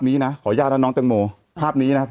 แต่หนูจะเอากับน้องเขามาแต่ว่า